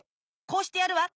こうしてやるわ。